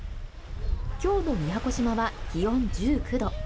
今日の宮古島は気温１９度。